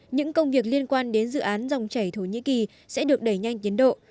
những công việc liên quan đến dự án dòng chảy thổ nhĩ kỳ sẽ được đẩy nhanh tiến độ